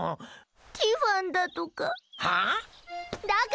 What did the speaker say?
「ティファン」だとか。